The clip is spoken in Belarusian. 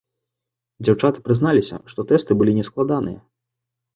Дзяўчаты прызналіся, што тэсты былі не складаныя.